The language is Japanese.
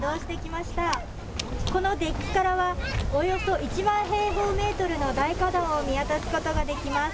このデッキからはおよそ１万平方メートルの大花壇を見渡すこ